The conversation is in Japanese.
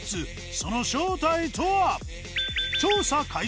その正体とは？